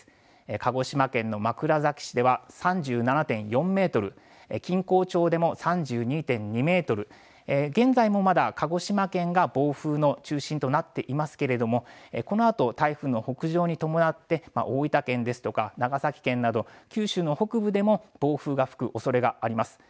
鹿児島県の枕崎市では３７．４メートル、錦江町でも３２．２メートル、現在もまだ鹿児島県が暴風の中心となっていますけれどもこのあと台風の北上に伴って大分県ですとか長崎県など九州の北部でも暴風が吹くおそれがあります。